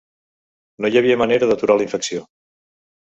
No hi havia manera d’aturar la infecció.